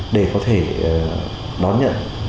để có thể đón nhận